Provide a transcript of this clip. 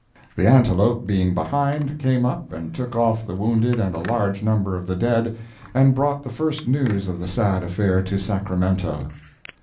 The Antelope being behind, came up and took off the wounded and a large number of the dead, and brought the first news of the sad affair to Sacramento.